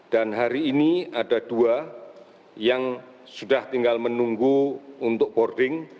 dan hari ini ada dua yang sudah tinggal menunggu untuk boarding